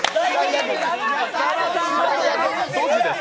ドジです。